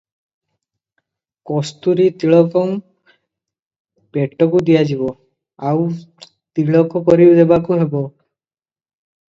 କସ୍ତୁରୀତିଳକଂ "ପେଟକୁ ଦିଆଯିବ, ଆଉ ତିଳକ କରିଦେବାକୁ ହେବ ।"